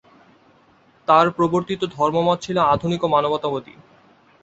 তার প্রবর্তিত ধর্মমত ছিল আধুনিক ও মানবতাবদী।